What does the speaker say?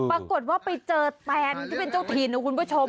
ปรากฏว่าไปเจอแตนที่เป็นเจ้าถิ่นนะคุณผู้ชม